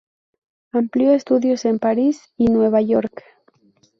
Amplió estudios en París y Nueva York.